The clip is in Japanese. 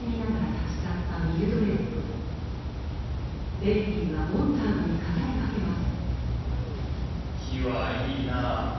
ベイティーはモンターグに語りかけます。